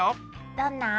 どんな？